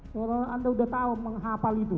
soalnya anda udah tau menghapal itu